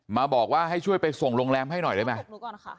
มาบอกว่าให้ช่วยไปส่งโรงแรมให้หน่อยได้ไหม